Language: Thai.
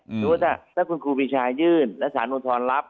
หรือว่าถ้าถ้าคุณครูพิชายื่นแล้วสารอุทธรณ์รับ